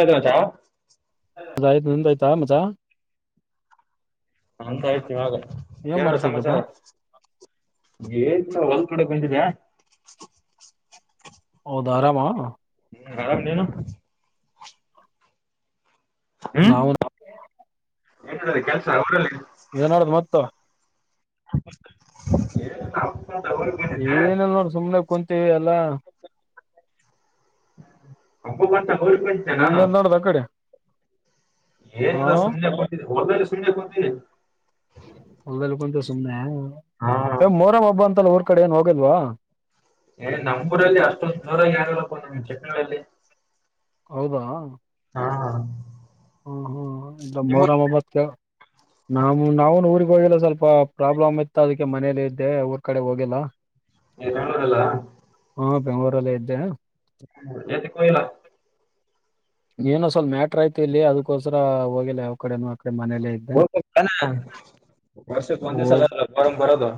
ಊಟ ಆಯ್ತಾ ಮಚ್ಚಾ ಮ ಆಯ್ತು ನಂದ ಆಯ್ತಾ ಮಚ್ಚಾ ನಂದ್ ಆಯ್ತ್ ಇವಾಗಾ ಏನ್ ಎನ್ ಅಣ್ಣ ಮಾಡ್ತಾ ಸಮಾಚಾರ ಇದ್ದಪ್ಪಾ ಎಂತ ಒಂದ ಕಡೆ ಬಂದಿದ್ಯ ಹೌದಾರಾಮಾ? ಹ್ಮ ಆರಾಮ್ ನೀನು? ಹ್ಮ್ ನಾವುನು [unintelligible] ಕೆಲ್ಸ ಊರಲ್ಲಿ ಏನಾದ್ರು ನೋಡ್ ತ್ತ [unintelligible] ಬಂದಿದ್ದೆ ಏನಿಲ್ನೋಡ್ ಸುಮ್ನೆ ಕುಂತ್ ತೀವಿ ಎಲ್ಲ. ಹಬ್ಬ ಬಂತ ಊರಿಗ್ ಬಂದಿದ್ದೆ ನಾನು ನಿಮ್ದೊನ್ ನೋಡ್ದಾಕಡೆ. ಏನಿಲ್ಲ ಸುಮ್ನೆ ಕುಂತಿದ್ವಿ. ಒಟ್ನಲ್ಲಿ ಸುಮ್ನೆ ಕುಂತೀವಿ. ಹೊಲ್ದಕ್ಬಂದ ಸುಮ್ನೆ. ಹಾ ಎ ಮೊಹರಂ ಹಬ್ಬ ಅಂತ್ ತ್ತ ಊರ್ ಕಡೆ ಏನೋಗಲ್ವಾ? ಏ ನಮ್ಮೂರಲ್ಲಿ ಅಷ್ಟೊಂದ್ ಜೊರಾಗ್ ಯಾರಲ್ಲಿಪ್ಪ ನಮ್ಕೆ. [unintelligible] ಹೌದಾ? ಹಾ ಹ್ಮ ಹ್ಮ್ ನಿಮ್ಮೂರಲ್ಲಿ ಮೊಹರಂ ಬತ್ತೆ. ನಾಮು ನಾವುನು ಊರ್ಗ್ ಹೋಗಿಲ್ಲ ಸ್ವಲ್ಪ ಪ್ರಾಬ್ಲಮ್ ಇತ್ತದಕ್ಕೆ ಮನೇಲಿದ್ದೆ ಊರ್ ಕಡೆ ಹೋಗೀಲ್ಲ. ಏನ್ಕಾಣದಿಲ್ಲ. ಹುಂ ಬೆಂಗಳೂರಲ್ಲೇ ಇದ್ದೆ. ಯಾತಿಕ್ಕೊಯಿಲಾ? ಏನೋ ಸ್ವಲ್ಪ ಮ್ಯಾಟ್ರಾಯ್ತಿಲ್ಲಿ ಅದಕೋಸ್ರ ಹೋಗಿಲ್ಲ ಯಾವ್ಕಡೆನೂ ಹೋಗ್ಬೇಕ್ತಾನೇ ವರ್ಷಕ್ ಒಂದೇ ಸಲ ಹೋಗ್ ಮೊಹರಂ ಬರದು.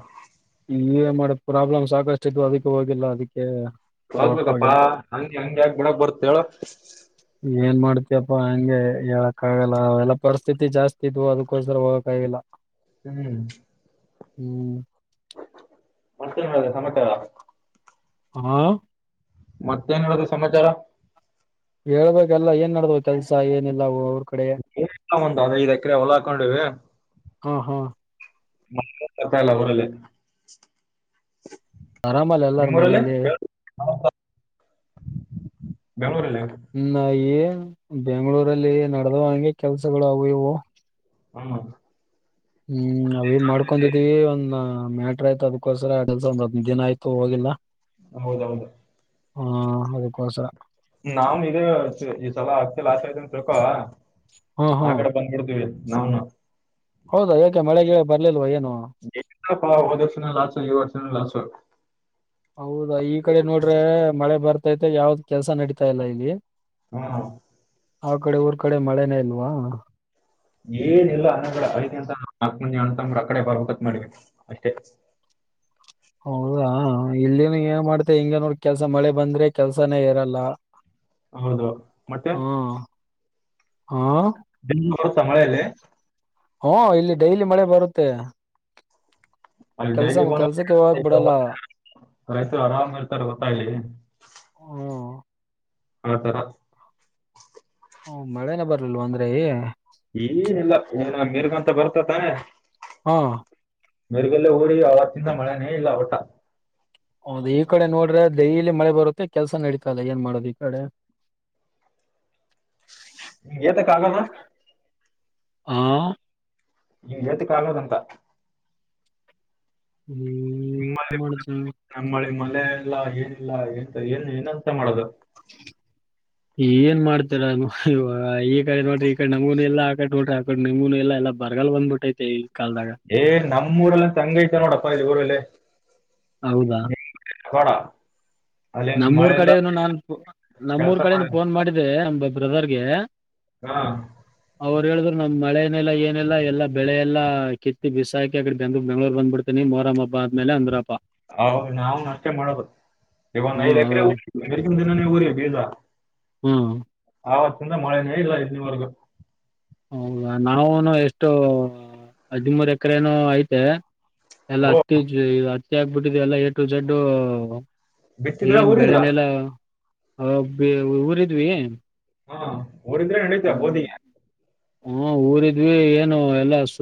ಏನ್ ಮಾಡಕ್ ಪ್ರಾಬ್ಲಮ್ ಸಾಕಷ್ಟಿದ್ವು ಅದಕ್ಕೆ ಹೋಗಿಲ್ಲ ಅದಕ್ಕೆ ಹೋಗಕ್ ಹೋಗ್ಬೇಕಪ್ಪಾ ಆಗಿಲ್ಲ ಹಂಗ ಹೆಂಗ್ ಯಾಕ್ ಬಿಡಕ್ ಬರ್ತ್ತಹೇಳು. ಏನ್ ಮಾಡ್ತಿಯಪ್ಪಾ ಹಂಗೆ ಹೇಳಕ್ಕಾಗಲ್ಲ ಅವೆಲ್ಲ ಪರಿಸ್ಥಿತಿ ಜಾಸ್ತಿ ಇದ್ವು ಅದಕ್ಕೋಸ್ಕರ ಹೋಗಕಾಗಿಲ್ಲ. ಹ್ಮ್ ಹ್ಮ್ ಮತ್ತೇನದೆ ಸಮಾಚಾರ? ಆ ಮತ್ತೇನ್ ಹೇಳುದು ಸಮಾಚಾರ ಹೇಳ್ಬೇಕಲ್ಲ ಏನ್ ನಡ್ತಾವ ಕೆಲ್ಸ ಏನಿಲ್ಲವೋ [unintelligible] ಒಂದ ಹ [inaudible] ಐದ್ ಎಕರೆ ಹೊಲ ಹಾಕೊಂಡಿವಿ ಹ ಹಾ ಹಾ ಕೆಲಸ ಇಲ್ಲ ಊರಲ್ಲಿ ಆರಾಮಲ್ಲ ಎಲ್ಲಾರ ಮನೇಲಿ ಬೆಂಗಳೂರುಲ್ಲಿ ಇನ ಏನ್ ಬೆಂಗಳೂರಲ್ಲಿ ನಡೆದವ ಹಂಗೆ ಕೆಲ್ಸಗಳು ಅವು ಇವು ಹ [inaudible] ಹ್ಮ್ ನಾವು ಏನ್ ಮಾಡ್ಕೊಂಡಿದೀವಿ ಒಂದ ಮ್ಯಾಟ್ರ ಆಯ್ತ ಅದಕ್ಕೋಸ್ಕರ ಕೆಲ್ಸ ಒಂದ್ ಹದಿನೈದು ದಿನ ಆಯ್ತು ಹೋಗಿಲ್ಲ ಹೌದೌದು ಹ್ಮ ಅದಕ್ಕೋಸರ ನಾವ್ನು ಇದ ಈ ಸಲ ಹತ್ತಿ ಲಾಸ್ ಆಯಿತು ಅಂತ ತಿಳ್ಕೊ ಹಾ ಹಾ ಆ ಕಡೆ ಬಂದ್ಬಿಡ್ತೀವಿ ನೌ ನ ಹೌದಾ ಯಾಕೆ ಮಳೆಗೆ ಬರ್ಲಿಲ್ವಾ ಏನು [unintelligible] ಹೆಂಗಪ್ಪ ಹೋದು ವರ್ಷನು ಲಾಸ್ ಈ ವರ್ಷನು ಲಾಸು ಕ್ಟಾಗಿ ಯಾವ್ದ್ ಕೆಲಸ ನಡೀತಾ ಇಲ್ಲ ಇಲ್ಲಿ ಹಾ ಹಾ ಆ ಕಡೆ ಊರ್ ಕಡೆ ಮಳೆನೇ ಇಲ್ವಾ ಏನಿಲ್ಲ ಅನ್ನಗಡೆ ಅದಕ್ಕೆ ಅಂತ ನಾಲ್ಕ ಮಂದಿ ಅಣ್ಣ ತಮ್ಮವ್ರು ಆ ಕಡೆ ಬರಬೇಕು ಅಂತ ಮಾಡವಿ ಅಷ್ಟೇ ಹೌದಾ ಇಲ್ಲಿನು ಏನ್ ಮಾಡ್ತ ಹಿಂಗ ನೋಡ ಕೆಲ್ಸ ಮಳೆ ಬಂದ್ರೆ ಕೆಲ್ಸಾನೇ ಇರಲ್ಲ ಹೌದು ಮತ್ತೆ ಹಾ ದಿನ್ ಬರುತ್ತಾ ಮಳೆಯಲ್ಲಿ ಹಓ ಇಲ್ಲಿ ಡೈಲಿ ಮಳೆ ಬರುತ್ತೆ ಅಲ್ಲಿ ಡೈಲಿ ಕೆಲ್ಸ ಕೆಲ್ಸಕ್ಕೆ ಹೋಗಕ್ ಬಿಡಲ್ಲ [inaudible] ರೈತರು ಆರಾಮ್ ಇರ್ತಾರೆ ಗೊತ್ತಾ ಇಲ್ಲಿ ಹ್ಮ್ ಹತರ ಹ್ಮ ಮಳೆನೆ ಬರ್ಲಿಲ್ವಾ ಅಂದ್ರೆ ಏನಿಲ್ಲ ಇನ ಮಿರ್ಗಂತ ಬರ್ತಾತಾ ಹ್ಮ್ ಮಿರುಗಿಂದ ಊಡಿ ಅವತ್ತಿಂದ ಮಳೆನೇ ಇಲ್ಲ ವಟ್ಟ ಹೌದು ಈ ಕಡೆ ನೋಡ್ರೆ ಡೈಲಿ ಮಳೆ ಬರುತ್ತೆ ಕೆಲ್ಸ ನಡೀತಲ್ಲ ಏನ್ ಮಾಡದು ಈ ಕಡೆ ಹಿಂಗ್ ಏತಕ್ ಆಗದ ಹಾ ನಿ ಜಾತೆ ಕಾಲೋದಂತ ಹ್ಮ್ [unintelligible] ಲ್ಲ ಇಲ್ಲ ಏನಿಲ್ಲ ಎಂತ ಏನ್ ಏನಂತ ಮಾಡೋದು. ಏನ್ ಮಾಡ್ತರ ಇವ ಈ ಕಡೆ ನೋಡ್ರಿ ಈ ಕಡೆ ನಮಗೂನು ಇಲ್ಲ ಆಕಡೆ ನೋಡ್ರಿ ಆಕಡ್ ನಿಮ್ಗೂನು ಇಲ್ಲ ಎಲ್ಲಾ ಬರಗಲ್ ಬಂದ್ಬಿಟ್ಟೈತೆ ಈ. ಕಾಲದಾಗ ಏ ನಮ್ಮಊರಲ್ಲ ತಂಗೈತ ನೋಡು. [unintelligible] ಊರಲ್ಲಿ ಹೌದಾ ಬ್ಯಾಡ ನಮ್ಮೂರ್ ಕಡೆನು ನಾನ್ ಫೋ ಕೆಲಸ ನಮ್ಮೂರ್ ಕಡೆನು ಮಾಡಿಲ್ಲ ಫೋನ್ ಮಾಡಿದೆೆ ನಮ್. ಬ್ರದರ್ ಗೇ. ಹಾ ಅವ್ರು ಹೇಳಿದ್ರು ನಮ್ ಮಳೆನೆೆಲ್ಲ ಏನೆಲ್ಲ ಎಲ್ಲ ಬೆಳೆಲ್ಲ ಕಿತ್ತಿ ಬಿಸಾಕಿ ಅಕಡಿ ಬಂದ ಬೆಂಗ್ಳೂ ಬೆಂಗಳೂರು ಬಂದ ಬಿಡ್ತೀನಿ ಮೋರಮ್ ಆದ್ಮೇಲೆ ಅಂದ್ರಪ್ಪ. ಹ ನಾವು ಅಷ್ಟೆನೆ ಮಾಡೊದು. ಇ ಒಂದು ಐದ್ ಎಕ್ರೆ ಹ್ಮ್ [unintelligible] ಸುಮ್ಮನೆ ಊರಿವಿ ಬೀಜ. ಹ್ಮ್ ಆವತ್ತಿಂದ ಮಳೆನೇ ಇಲ್ಲ [inaudible] ಹೌದಾ ನಾವುನು ಎಷ್ಟು ಹದಿಮೂರ್ ಎಕ್ರೆ ಏನೋ ಐತೆ. ಎಲ್ಲ ಓ ಅಟ್ಟವಿಜಿ [unintelligible] ಬುಟ್ಬುಟಿವ್ ಎಲ್ಲ ಎಟು ಜಡ್ಡು. ಬಿತ್ತಿದ್ರ ಊರಿದ್ರ. ಹ ಬೀ ಊರಿದ್ವಿ. ಹಾ ಉರಿದು [unintelligible] ಹ್ಮ ಊರಿದ್ವಿ ಏನು ಎಲ್ಲಾಸ್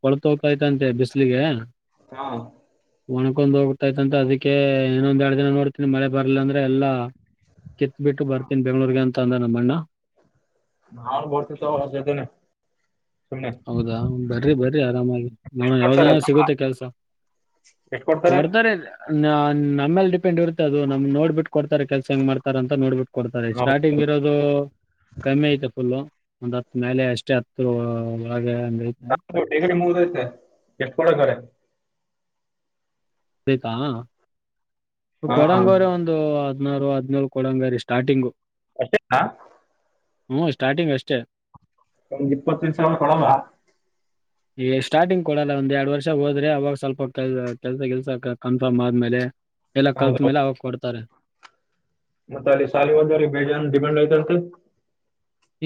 ಕೊಳ್ಳುತೋತೈತೆ ಅಂತೆ ಬಿಸ್ಲಿಗೆ. ಹಾ ಒಣಕೊಂಡ್ ಹೋಗ್ತೈತ್ಂತ ಅದಕ್ಕೆ ಇನ್ನೊಂದ್ ಎಡ್ ದಿನ ನೋಡ್ತೀನಿ ಮಳೆ ಬರ್ಲಿಲ್ಲ ಅಂದ್ರೆ ಎಲ್ಲಾ ಕಿತ್ ಬಿಟ್ಟು ಬರ್ತನಿ ಬೆಂಗ್ಳೂರ್ಗೆ ಅಂತ ಅಂದ ನಮ್ಮಣ್ಣ. ನಾವು ಬರ್ತಿ ತಗೋ ಅವನ ಜೊತೆನೆ. ಸುಮ್ನೆ ಹೌದಾ ಬರ್ರಿ ಬರ್ರಿ ಆರಾಮಾಗಿ ನ ಯಾವ್ದನ ಕೊಡ್ತಾರೆ ಸಿಗುತ್ತೆ ಕೆಲ್ಸ ಕೊಡ್ತಾರೆ. ನ ನಮ್ಮೇಲ್ಲಿ ಡಿಪೆಂಡ್ ಇರುತ್ ತ್ತ್ ಅದು ನಮ್ಮುನ್ ನೋಡ್ಬಿಟ್ಟು ಕೊಡ್ತಾರೆ ಕೆಲಸ ಹೆಂಗ್ ಮಾಡ್ತಾರ ಅಂತ ನೋಡ್ಬಿಟ್ಟ ಕೊಡ್ತಾರೆ ಸ್ಟಾರ್ಟಿಂಗ್ ಇರೋದು ಕಮ್ಮಿ ಐತೆ ಫುಲ್ಲು. ಒಂದ್ ಹತ್ ಮೇಲೆ ಅಷ್ಟೇ ಹತ್ತು. ಲೇ ಹಂಗ್ ಐತೆ. [unintelligible] ಎಷ್ಟು ಕೊಡಂಗವ್ರೆ. ಬೇಕಾ. ಹಾ ಕೊಡೊಂಗೋರೆ ಒಂದು ಅದ್. ಹದ್ನಾರು ಹದ್ನೇಳು ಕೊಡಂಗರಿ ಸ್ಟಾಟಿಂಗೂ. ಅಷ್ಟೆತ್ತಾ. ಹ್ಮ್ ಸ್ಟಾರ್ಟಿಂಗ್ ಅಷ್ಟೇ. ಒಂದ್ ಇಪ್ಪತ್ತ ನಿಮಿಷ ಅಂದ್ರ ಕೊಡಲ್ವಾ. ಈ ಸ್ಟಾರ್ಟಿಂಗ್ ಕೊಡಲ್ಲಾ ಒಂದ್ ಎರಡ್ ವರ್ಷ ಹೋದ್ರೆ ಆವಾಗ ಸ್ವಲ್ಪ ಕೆಲ್ ಕೆಲ್ಸ ಗಿಲ್ಸ ಕ ಕನ್ಫರ್ಮ್ ಆದ್ಮೇಲೆ. ಎಲ್ಲ ಕಲ್ತ್ ಮೇಲೆ ಆವಾಗ ಕೊಡ್ತಾರೆ. ಮತ್ತ ಅಲ್ಲಿ ಸಾಲಿ ಒಂದರಿ ಬೇಜಾನ ಡಿಮ್ಯಾಂಡ್ ಆಯತಂತು.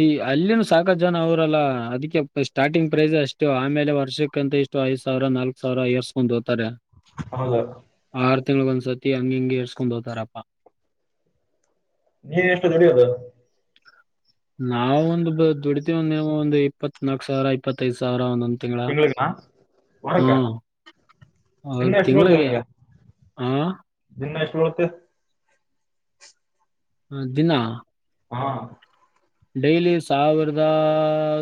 ಈ ಅಲ್ಲಿವ್ನ ಸಾಕಷ್ಟು ಜನ ಅವರಲ್ಲ ಅದಿಕ್ಕೆ ಪ್ಪಾ ಸ್ಟಾರ್ಟಿಂಗ್ ಪ್ರೈಸ್ ಅಷ್ಟು ಆಮೇಲೆ ವರ್ಷಕ್ಕಂತ ಇಷ್ಟು ಐದ್ ಸಾವ್ರಾ ನಾಲ್ಕ್ ಸಾವ್ರಾ ಏಸ್ಕೋಂದ ಧೊತ್ತಾರೆ. ಹೌದೋ. ತಿಂಗಳಂಗ ಒಂದ್ಸತಿ ಹಂಗ ಹಿಂಗಗೆ ಎರ್ಸ್ಕೊಂದ್‌ ಹೋಗ್ತಾರಪ್ಪಾ. ನೀ ಎಷ್ಟು ದುಡಿಯೋದು. ನಾವ ಒಂದುಬ ದುಡತಿವಂದವು ಒಂದ್ ಇಪ್ಪತ್ ನಾಕ್ ಸಾವ್ರಾ ಇಪ್ಪತ್ತೈದ್ ಸಾವ್ರಾ ಒಂನೊಂದ. ತಿಂಗ್ಳಾ ತಿಂಗ್ಳಿಗೆ ವಾರಕ್ಕ ಹಾವ್ ಅವ್ರ ದಿನ ಎಷ್ಟು ಬೀಳುತ್ತೆ ತಿಂಗಳಿಗೆ ನಿಮ್ಗೆ ಆಹ್ಹಾ. ಕಿವತ್ತೇ. ಹ್ಹ ದಿನ್ನಾ. ವ್ಹಾ. ಡೈಲಿ ಸಾವಿರದಾ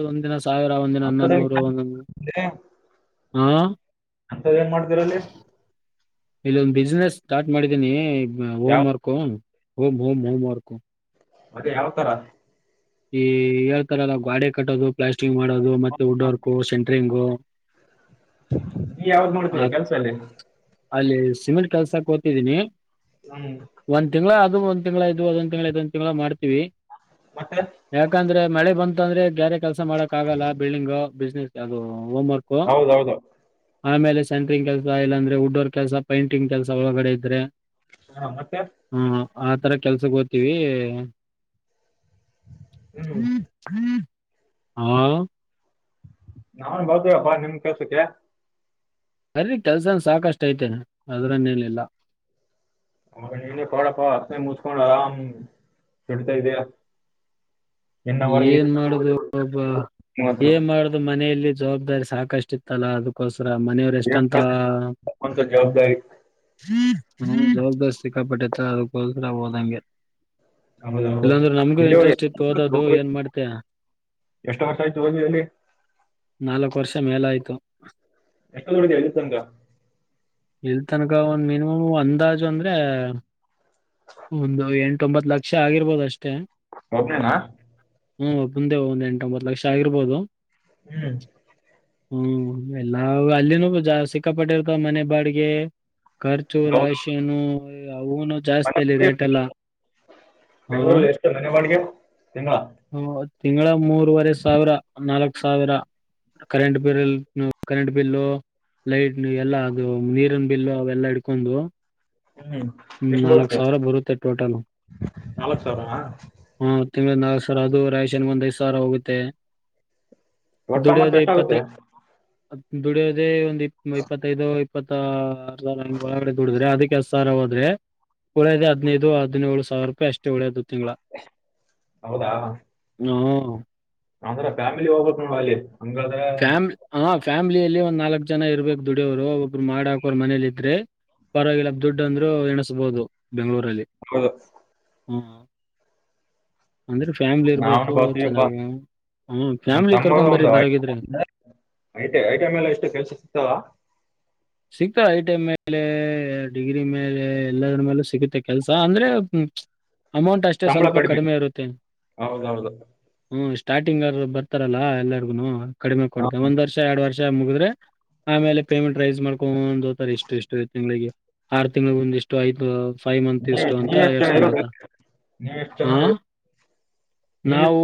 ಒಂದ್ ದಿನಸ. ಸಾವಿರಾ ಒಂದದಿನ ಹನ್ನಂದ್ ಅಂತದೇನ್ ನೂರು ಒಂದ. ಆ. ಹಂತವ ಏನ್ ಮಾಡ್ತಿರ ಅಲ್ಲಿ. ಇಲ್ಲೊಂದ್ ಬಿಸ್ನೆಸ್ ಸ್ಟಾರ್ಟ್ ಮಾಡಿದೀನಿ. ಅ ಓಂ ಯಾವ ಮಾರ್ಕೊನ್. Home home home work. ಅದೇ ಯಾವ ತ್ತರಾ. ಈ ಎಳ್ತರಲ್ಲಾ ಗ್ವಾಡೆ ಕಟ್ಟೋದು ಪ್ಲಾಶ್. ಥಿಂಗ್‌ ಹೊಡೋದು ಹ್ಮ್, ಮತ್ತೆ ವುಡ್ ಹ್ಮ್. ವರ್ಕು ಸೆನ್. ಟ್ರಿಂಘೊ. ನೀ ಯಾವ್ದ್ ನೋಡ್ತೀಯ ಕೆಲ್ಸಲ್ಲಿ. ಅಲ್ಲಿ ಸಿಮಿಂಟ್ ಕೆಲ್ಸಕ್ ಕೊತಿದ್ದೀನಿ. ಹ್ಮ್ ಒಂನ್ ತಿಂಗಳಾ ಅದ್. ದು ಒಂದ್ ತಿಂಗಳಾ ಇದು ಅದು ಒಂದ ತಿಂಗಳಾ ಮಾಡ್ತೇವಿ. ಮತ್ತೆ ಯಾಕ ಅಂದ್ರೆ. ಮಳೆ ಬಂತ ಅಂದ್ರೆ ಗ್ಯಾರೆ ಕೆಲ್ಸ ಮಾಡಕ್ ಆಗಲ್ಲ ಬಿಲ್ಡಿಂಗೂ. ಬಿಸ್ನೆಸ್ ಅದು ಹೋಮ್ ವರ್ಕ್ ಹೌದೌದು ಆಮೇಲೆ ಸೆಟ್ರಿಂಗ್ ಕೆಲಸ ಇಲ್ಲಂದ್ರೆ ಉಟ್ ಕೆಲಸ ಪೈಂಟಿಂಗ್ ಕೆಲಸ ಒಳಗಡೆ ಇದ್ರೆ. ಹಾ ಮತ್ತೆ ಹ ಆ ತರ ಕೆಲ್ಸಗೋಗ್ತೀವಿ. ಹ್ಮ್ [inaudible] ಹಾ ನಾವೇನ್ ಬತ್ತಿವಪ್ಪ ನಿಮ್ ಕೆಲ್ಸಕ್ಕೆ. ಅಲ್ಲಿ ಕೆಲಸ ಐತೆ ಅದ್ರಲ್ಲೇನಿಲ್ಲ. ಹ [unintelligible] ಮುಚ್ಕೊಂಡ ಆರಾಮ ದುಡಿತಾ ಇದಿಯಾ. ಏನ್ ಮಾಡುದು ಒಬ್ಬ ಮಾತ್ರ. ಏನ್ ಮಾಡುದು ಮನೆಯಲ್ಲಿ. ಜವಾಬ್ದಾರಿ ಸಾಕಷ್ಟು ಇತ್ತಲ್ಲಾ ಅದಕೋಸ್ ಮನೆಯವ್ರ ಏನ್ ಎಷ್ಟಂತ. ಮಾಡ್ತಿ ಅಂತ ಜವಾಬ್ದಾರಿ ಹ್ಮ ಜವಾಬ್ದಾರಿ ಸಿಕ್ಕಾಪಟ್ಟತ್ತ ಅದಕ್ಕೋಸ್ಕರ ಹೋದಂಗೆ. ನಮ್ಮದು ನಮ್ಮದು. ಇಲ್ಲಾಂದ್ರೆ ನಮ್ಗೂ ಇಲ್ಲಿ ಇಂಟ್ರೆಸ್ಟ್ ಇತ್ತು ಓದದ್. ಅದು ಹೋಗಿ ಏನ್ ಮಾಡ್ತ್ಯ ಎಷ್ಟು ವರ್ಷ ಆಯ್ತು ಹೋಗಿ ಅಲ್ಲಿ ನಾಲ್ಕ್ ವರ್ಷ ಮೇಲ ಆಯ್ತು. ಎಷ್ಟ ದುಡಿತ್ಯ ಅಲ್ಲಿ ತಂಕ. ಇಲ್ ತನಕ ಒಂದ್ ಮಿನಿಮಮ್ ಅಂದಾಜು ಅಂದ್ರೆ ಒಂದು ಎಂಟ ಒಂಬತ್ ಲಕ್ಷ ಆಗಿರ್ಬೋದ ಅಷ್ಟೇ. ಒಬ್ನೇನಾ ಹ್ಮ ಒಬ್ಬುನ್ದೆ ಒಂದು ಎಂಟೊಂಬತ್ತು ಲಕ್ಷ ಆಗಿರ್ಬೋದು. ಹ್ಮ್ ಹ್ಮ್ ಎಲ್ಲಾ ಅಲ್ಲಿನೂ ಸಿಕ್ಕಾಪಟ್ಟಿರ್ತಾವ ಮನೆ ಬಾಡಿಗ್ ಗೆ ಖರ್ಚು ಹೌದು ರಾಶಿಯನೊ. [unintelligible] ಅವುನು ಜಾಸ್ತಿ ಮನೆ ಅಲ್ಲಿ ಬಾಡಿಗೆ ರೇಟ್ ಎಲ್ಲ ಬೆಂಗಳೂರಲ್ಲಿ [unintelligible] ಹ ಎಷ್ಟು ಮನೆ ಬಾಡಿಗೆ ತಿಂಗಳ ತಿಂಗಳ ಮೂರವರೆ ಸಾವಿರ ನಾಲ್ಕ್ ಸಾವಿರ current bill current bill light ಎಲ್ಲಾ ಅದು ನೀರ್ ಬಿಲ್ಲು ಅವೆಲ್ಲ ಇಡ್ಕೊಂಡು. ಹ್ಮ್ ಹ್ಮ್ ಎಷ್ಟು ನಾಲ್ಕ್ ಬರುತ್ತೆ ಸಾವಿರ ಬರುತ್ತೆ ಟೋಟಲ್ ನಾಲ್ಕು ಸಾವಿರ ಹ ತಿಂಗಳ ನಾಲ್ಕು ಸಾವರ ಅದು ರಾಷನ್ ಒಂದ್ ಐದ್ ಸಾವಿರ ಹೋಗುತ್ತೆ. ಒಟ್ಟ ಅಮೌಂಟ್ ಎಷ್ಟಾಗುತ್ತೆ. ಅತ್ನ್ ದುಡಿಯೋದೇ ಒಂದ್. ಇಪ್ಪ್ ಇಪ್ಪತ್ತೈದು. ಇಪ್ಪತ್ತ ಆರ್ಸ್ವಾರ ಒಳಗಡೆ ದುಡಿದ್ರೆ ಅದಕ್ಕೆ ಎಸ್ಟ್ ಸಾವ್ರ. ಆದ ಉಳ್ಳೆಯದ ಹದಿನೈದು ಹದಿನೇಳು ಸಾವಿರ ರೂಪಾಯಿ ಅಷ್ಟೇ ಉಳೆದ. ತಿಂಗಳ ಹೌದಾ ಹ್ಮ್ ಹ ಅಂದ್ರೆ ಫ್ಯಾಮಿಲಿ ಹೋಗ್ಬೇಕ ನೊಡ್ ಅಲ್ಲಿ. ಹಂಗಾದ್ರೆ. ಫ್ಯಾಮ್ ಹ ಫ್ಯಾಮಿಲಿಯಲ್ಲಿ ಒಂದ್ ನಾಲ್ಕಕ್ ಜನ ಇರ್ಬೇಕು ದುಡಿಯವ್ರು ಒಬ್ರು ಮಾಡ್ ಹಾಕೋರು ಮನೇಲಿ ಇದ್ರೆ ಪರವಾಗಿಲ್ಲ ದುಡ್ ಅಂದ್ರು ಎಣಸ್ಬಹುದು ಬೆಂಗಳೂರ್. ಹೌದು ಹ್ಮ್ ಅಂದ್ರೆ ಫ್ಯಾಮ್ಲಿ ನಾನು ಇರ್ಬೇಕು ಬರ್ತೀಯಪ್ಪ ಚೆನ್ನಾಗಿ ಹ ಫ್ಯಾಮ್ಲಿ ಕರ್ಕೊನ್ಬರಿ ಬರಗಿದ್ರೆ. I T I I T I ಮೇಲೆ ಎಷ್ಟು ಕೆಲ್ಸ ಸಿಗ್ತಾವ. ಸಿಕ್ ಐಟಿಐ ಮೇಲೆ ಡಿಗ್ರಿ ಮೇಲೆ ಎಲ್ಲದರ ಮೇಲೊ ಸಿಗುತ್ತೆ ಕೆಲ್ಸ ಅಂದ್ರೆ. ಅಮೌಂಟ್ ಅಷ್ಟೇ ಸ್ವಲ್ಪ ಕಡಿಮೆ ಇರುತ್ತೆ. ಹೌದೌದು ಹ್ಮ ಸ್ಟಾರ್ಟಿಂಗ್ ಆದರು ಬರ್ತಾರಲ್ಲಾ ಎಲ್ಲಾರ್ಗುನು. ಕಡಿಮೆ ಕೊಡತ್ ಒಂದ್ ವರ್ಷ ಎರಡು ವರ್ಷ. ಜ್ಜ ಮುಗಿದ್ರೆ ಆಮೇಲೆ ಪೇಮೆಂಟ್ ರೈಸ್ ಮಾಡ್ ಕೊಂಡ ಹೋಗ್ತಾರ ಇಷ್ಟು ಇಷ್ಟು ತಿಂಗ್ಳಿಗೆ ಆರು ತಿಂಗ್ಳ ಒಮ್ಮೆ ಇಷ್ಟು ಆಯ್ತು. ಫೈವ್ ಮಂತ್ ನೀವ್ ಇಷ್ಟು ಅಂತ ನೀವ್ ಎಷ್ಟು ಜನ ಏರ್ಸ್ಕೊಂಡ್ ಇರೋದು ಹೋತ ನೀವ್ ಎಷ್ಟು ಜನ ಹ ಇರೋದು ನೀವೆಷ್ಟು ನಾವು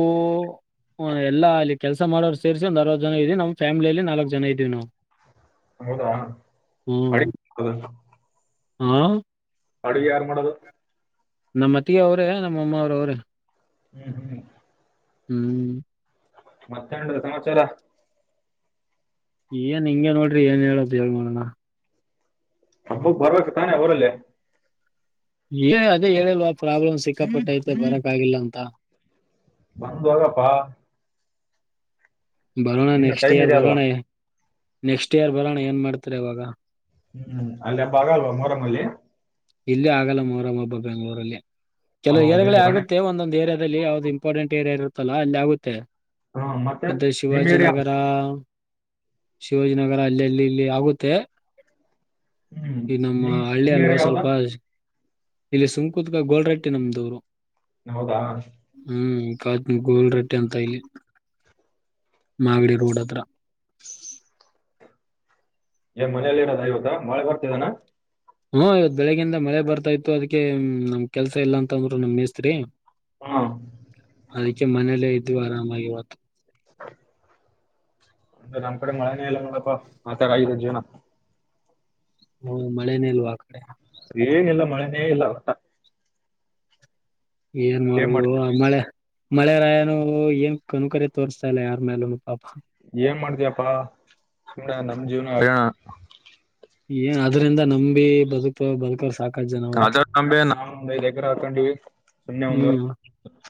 ಎಲ್ಲ ಅಟ್. ಕೆಲಸ ಮಾಡೋರು ಸೇರಿಸಿ ಒಂದು ಅರವತ್ತು ಜನ ಇದ್ದವಿ ನಮ್ಮ ಫ್ಯಾಮಿಲಿಯಲ್ಲಿ ನಾಲ್ಕು ಜನ ಇದೀವಿ ನಾವು. ಹೌದಾ [unintelligible] ಹಾ. ಅಡುಗೆ ಯಾರ್ ಮಾಡದು. ನಮ್ಮ್ ಅತ್ತಿಗೆ ಅವ್ರೇ ನಮ್ಮಮ್ಮ ಅವ್ರ್ ಅವ್ರೇ. ಹ್ಮ್ ಹ್ಮ್ ಹ್ಮ್ ಮತ್ತ್ ಏನ್ರೀ ಸಮಾಚಾರ. ಏನ್ ಹಿಂಗೆ ನೋಡ್ರಿ ಏನ್ ಹೇಳ್ದ ಹೇಳ್ ನೊಡೋಣ. ಹಬ್ಬಕ್ ಬರ್ಬೇಕ್ ತಾನೇ ಊರಲ್ಲಿ. ಏ ಅದೇ ಹೇಳಿಲ್ವಾ ಪ್ರಾಬ್ಲಮ್ ಸಿಕ್ಕಾಪಟ್ಟೈತೆ ಬರಕ್ ಆಗಿಲ್ಲ ಅಂತ. ಬಂದ ಹೋಗಪ್ಪಾ. ಬರೋಣ ನೆಕ್ಸ್ಟ್ ಟೈಮ್ ಇಯರ್ ಇದೆ ಅಲ್ವಾ ಬರೋಣ. ನೆಕ್ಸ್ಟ್ ಇಯರ್ ಬರೋಣ ಏನ್ ಮಾಡ್ತಿರಾ ಇವಾಗ. ಹ್ಮ್ ಅಲ್ಲಿ ಹಬ್ಬ ಆಗಲ್ವಾ ಮೊರಮ್ಮಲ್ಲಿ. ಇಲ್ಲಿ ಆಗಲ್ಲ ಮೋರಮಬ್ಬ ಬೆಂಗಳೂರಲ್ಲಿ. ಕೆಲವು ಏರಿಯಾಗಳೆ ಹೌದೇನ್ ಗಣೇಶ ಆಗುತ್ತೆ ಒಂದೊಂದ್ ಏರಿ ದಲ್ಲಿ ಯಾವ್ದು ಇಂಪಾರ್ಟೆಂಟ್ ಏರಿಯಾ ಇರುತ್ತಲ್ಲ ಅಲ್ಲಿ ಆಗುತ್ತೆ. ಹ್ಮ್ ಮತ್ತೆ ಎಂತ ನಿಮ್ ಏರಿಯಾ ಶಿವಾಜಿನಗರಾ ಶಿವಾಜಿನಗರ ಅಲ್ಲಲ್ಲಿ ಇಲ್ಲಿ ಆಗುತ್ತೆ. ಹ್ಮ್ ಈ ನಮ್ಮ ನಿಮ್ ಹಳ್ಳಿ ನಿಮ್ ಅಲ್ವಾ ಏರಿಯಾವ್ಗ? ಸ್ವಲ್ಪ ಇಲ್ಲಿ ಸುಂಕತ್ಕಲ್ ಗೋಲ್ರಟ್ಟಿ ನಮ್ದೂರು. ಹೌದಾ? ಕ ಗೋಲ್ರಟ್ಟಿ ಅಂತ ಇಲ್ಲಿ ಮಾಗಡಿ ರೋಡತ್ರ. ಏನ್ ಮನೆಲ್ಲಿರದ ಇವಾಗ ಮಳೆ ಬರ್ತಿದಾನ? ಹ್ಮು ಇವತ್ ಬೆಳಿಗಿಂದ ಮಳೆ ಬರ್ತಾ ಇತ್ತು ಅದ್ಕೆ ನಮ್ ಕೆಲ್ಸ ಇಲ್ಲ ಅಂತಂದ್ರು ನಮ್ ಮೇಸ್ತ್ರಿ. ಹ್ಮ್ ಅದಕ್ಕೆ ಮನೇಲೇ ಇದ್ ಇದ್ವಿ ಆರಾಮಾಗಿವತ್ತು. ಅ ನಮ್ಕಡೆ ಮಳೆನೇ ಇಲ್ಲ ನೋಡಪ್ಪ ಆತರ ಆಗಿದೆ ಜೀವ್ನ. ಹ್ಮ ಮಳೆನೇ ಇಲ್ವಾ ಆ ಕಡೆ. ಏನಿಲ್ಲ ಮಳೆನೇ ಇಲ್ಲ ಒಟ್ಟ ಏನ್ ಮಾಡೊದು ಆ ಮಳೆ ಮಳೆ ರಾಯನು ಏನ್ ಕನಿಕರ ತೋರ್ಸ್ತಾ ಇಲ್ಲ ಯಾರ್ಮೇಲುನು ಪಾಪ. ಏನ್ ಮಾಡ್ತಿಯಪ್ಪಾ ಸುಮ್ನೆ ನಮ್ಜೀವನ ಏನ್ ಅದ್ರಿಂದ ನಂಬಿ ಬದುಕೋ ಬಂಕ ಸಾಕ್. ಕಜಾಕ್ ನಂಬೇ ನಾವ್ ಒಂದೖದ್ ಎಕರೆ ಹಾಕೊಂಡಿವಿ ಸುಮ್ಮನೆ ಒಂದ್ವರೆ ಹ್ಮ್ [unintelligible]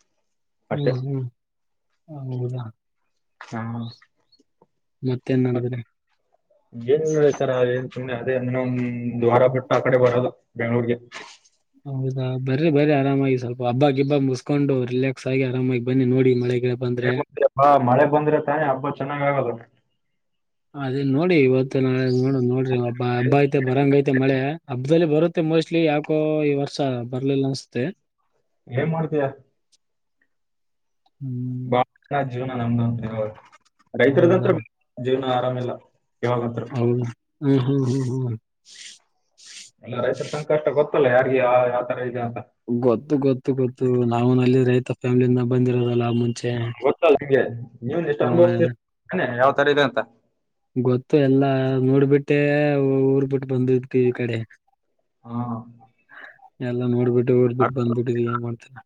ಅಷ್ಟೆ. ಹ್ಮ್ ಹ್ಮ್ ಹೌದಾ? ಹಾ ಮತ್ತೇನ್ ಮತ್ತ ನಡದ್ರಿ ಏನಿಲ್ಲ ಈತರ ಹಾಗೆ ಸುಮ್ನೆ ಅದೇ ಇನ್ನೊಂದ್ವಾರ ಬಿಟ್ಟಾಕಡೆ ಬರೋದು ಬೆಂಗ್ಳೂರ್ಗೆ. ಹೌದಾ ಬರ್ರೀ ಬರ್ರೀ ಆರಾಮಾಗಿ ಸ್ವಲ್ಪ ಹಬ್ಬಾಗಿಬ್ಬ ಮುಸ್ಕೊಂಡು ರಿಲ್ಯಾಕ್ಸ್ ಆಗಿ ಆರಾಮಾಗಿ ಬನ್ನಿ ನೋಡಿ ಮಳೆ ಏನ್ ಮಾಡ್ತಿಯಪ್ಪಾ ಮಳೆ ಬಂದ್ರೆ ತಾನೆ ಹಬ್ಬ ಚೆನ್ನಾಗಾಗೋದು. ಅದೇ ನೋಡಿ ಇವತ್ತು ನಾಳೆ ನೋ ನೋಡ್ರಿ. ಬ ಹಬ್ಬ ಐತೆ ಬರಂಗೖತೆ ಮಳೆ ಹ ಬ್ಬದಲ್ಲಿ ಬರುತ್ತೆ ಮೋಸ್ಟ್ಲಿ ಯಾಕೋ ಈ ವರ್ಷ ಬರ್ಲಿಲ್ಲ ಅನ್ಸುತ್ತೆ. ಏನ್ ಮಾಡ್ತಿಯ. ಹ್ಮ್ [inaudible] ಜೀವನ [unintelligible] ಹ ಹೌದಾ ರೈತರದಂತೃ [unintelligible] ಹಾ ಆರಾಮಿಲ್ಲ. ಯಾವಾಗ್ ಅಂತ್ರು. ಹ್ಮ ಹ್ಮ್ ಹ್ಮ್ ಹ್ಮ್ ಎಲ್ಲ ರೈತರ ಸಂಕಷ್ಟ ಗೊತ್ತಲ್ಲ ಯಾರಿಗೆ ಯಾವ್ ತರ ಇದೆ ಅಂತ್. ಗೊತ್ತು ಗೊತ್ತು ಗೊತ್ತು ನಾವುನಲ್ಲೆ. ರೈತ ಫ್ಯಾಮಿಯಿಂದ ಬಂದಿರೋರು. ಗೊತ್ತಲ್ಲ ಅಂಗೆ ನೀವೆನ್ ಎಷ್ಟ ಹ್ಮ ಅನುಭಸ್ತೀರಿ ತಾನೇ. ತರ ಇದೆ ಅಂತ. ಗೊತ್ತು ಎಲ್ಲಾ ನೋಡ್ಬಿಟ್ಟೆ ಊರ್ ಬಿಟ್ಟು ಬಂದಿದ್ ಈ ಕಡೆ. ಹಾ ಎಲ್ಲಾ ನೋಡ್ ಬಿಟ್. ಡ್ಬ ಬಿಟ್ ಅದ್- ಬಂದ್ಬಿತಿದೀವಿ ಏನ್ ಮಾಡ್ತಿ ಅಣ್ಣ.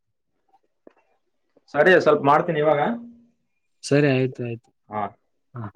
ಸರಿ ಸ್ವಲ್ಪ್ ಮಾಡ್ತೀನಿ ಇವಾಗ. ಸರಿ ಆಯ್ತ್. ಆಯ್ತು ಹಾ ಹಾ.